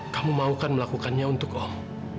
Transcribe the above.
kamu mahukan melakukannya untuk om